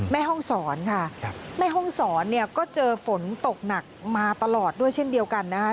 แม่ห้องศรค่ะแม่ห้องศรเนี่ยก็เจอฝนตกหนักมาตลอดด้วยเช่นเดียวกันนะคะ